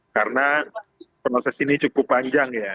karena proses ini cukup panjang ya